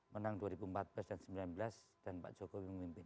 menang dua ribu empat belas dan sembilan belas dan pak jokowi memimpin